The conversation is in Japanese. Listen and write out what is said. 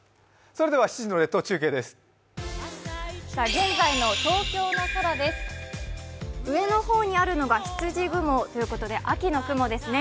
現在の東京の空です上のほうにあるのが羊雲ということで秋の雲ですね。